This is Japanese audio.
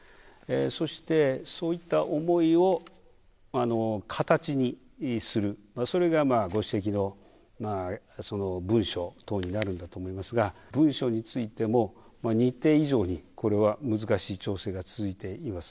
そして、そういった思いを形にする、それがご指摘の文書等になるんだと思いますが、文書についても日程以上に、これは難しい調整が続いています。